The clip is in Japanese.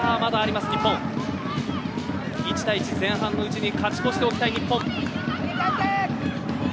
１対１前半のうちに勝ち越しておきたい日本。